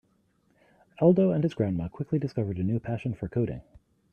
Aldo and his grandma quickly discovered a new passion for coding.